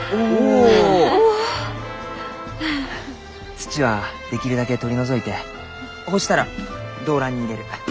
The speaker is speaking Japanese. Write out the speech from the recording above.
土はできるだけ取り除いてほうしたら胴乱に入れる。